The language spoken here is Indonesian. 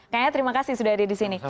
kang yayat terima kasih sudah ada di sini